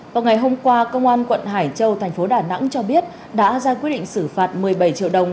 vào ngày hôm qua công an quận hải châu thành phố đà nẵng cho biết đã ra quyết định xử phạt một mươi bảy triệu đồng